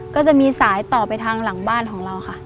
ก็จะมีสายต่อไปทางหลังบ้านของเราค่ะ